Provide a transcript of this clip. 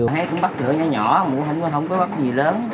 hay cũng bắt lửa nhỏ nhỏ không có bắt gì lớn